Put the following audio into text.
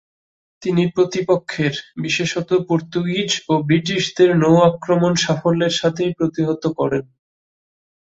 তিনি প্রতিপক্ষের, বিশেষত পর্তুগিজ ও ব্রিটিশদের নৌ-আক্রমণ সাফল্যের সাথেই প্রতিহত করেন।